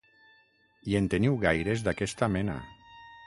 I en teniu gaires d'aquesta mena